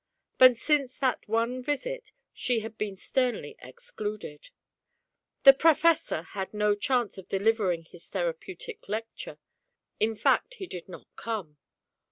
But since that one visit, she had been sternly excluded. The Professor had no chance of delivering his therapeutic lecture. In fact he did not come.